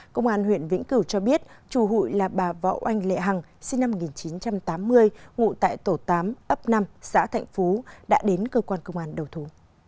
công an huyện vĩnh cửu cho biết chủ hụi là bà võ oanh lệ hằng sinh năm một nghìn chín trăm tám mươi ngụ tại tổ tám ấp năm xã thạnh phú đã đến cơ quan công an đầu thú